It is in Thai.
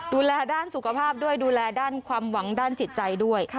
ดูแลด้านสุขภาพด้วยดูแลด้านความหวังด้านจิตใจด้วย